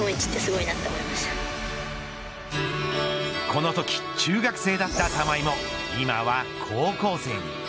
このとき中学生だった玉井も今は高校生に。